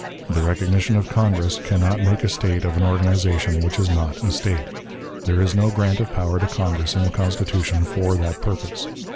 The recognition of Congress can not make a State of an organization which is not a State. There is no grant of power to Congress in the Constitution for that purpose.